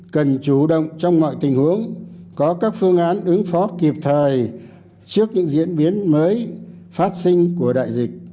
cần chủ động trong mọi tình huống có các phương án ứng phó kịp thời trước những diễn biến mới phát sinh của đại dịch